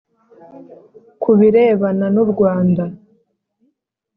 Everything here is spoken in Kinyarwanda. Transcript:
ku birebana n'u rwanda,